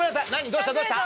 どうしたどうした？